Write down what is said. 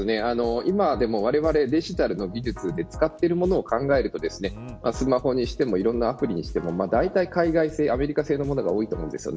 今でもわれわれがデジタルの技術で使っているものを考えるとスマホにしてもいろんなアプリにしてもだいたい海外製アメリカ製のものが多いです。